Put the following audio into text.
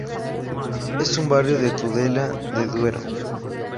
Es un barrio de Tudela de duero